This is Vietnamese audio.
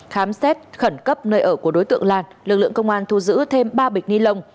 khám xét khẩn cấp nơi ở của đối tượng lan lực lượng công an thu giữ thêm ba bịch ni lông